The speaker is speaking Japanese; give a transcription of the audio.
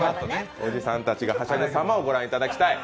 おじさんたちが、はしゃぐさまを御覧いただきたい。